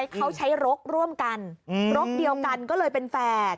เขาใช้รกร่วมกันรกเดียวกันก็เลยเป็นแฝด